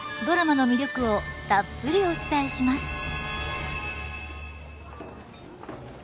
ドラマの魅力をたっぷりお伝えします。